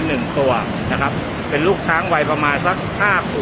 หนึ่งตัวนะครับเป็นลูกช้างวัยประมาณสักห้าขวบ